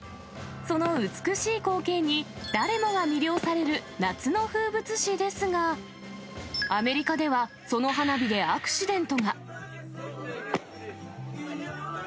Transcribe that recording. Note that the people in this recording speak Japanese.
その美しい光景に、誰もが魅了される夏の風物詩ですが、アメリカでは、その花火でアクシデントが。